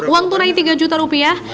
uang tunai tiga juta rupiah